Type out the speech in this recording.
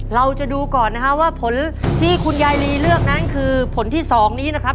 เราจะดูก่อนนะฮะว่าผลที่คุณยายลีเลือกนั้นคือผลที่๒นี้นะครับ